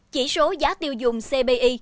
chỉ số giá tiêu dùng cbi